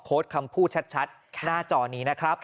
คำพูดชัดหน้าจอนี้นะครับ